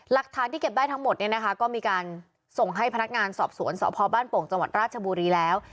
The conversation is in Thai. รักฐานที่เก็บได้ทั้งหมดก็มีการส่งให้พนักงานสอบสวนสบ้านโป่งจราชบุรีแล้ว